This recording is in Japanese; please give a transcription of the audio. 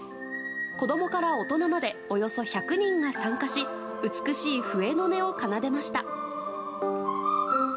子供から大人までおよそ１００人が参加し美しい笛の音を奏でました。